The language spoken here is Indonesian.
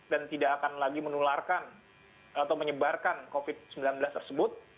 dan tidak akan lagi menularkan atau menyebarkan covid sembilan belas tersebut